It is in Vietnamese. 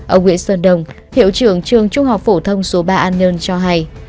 ở nguyễn sơn đông hiệu trường trường trung học phổ thông số ba an nhơn cho hay